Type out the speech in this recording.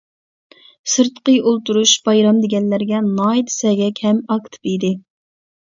سىرتقى ئولتۇرۇش، بايرام دېگەنلەرگە ناھايىتى سەگەك ھەم ئاكتىپ ئىدى.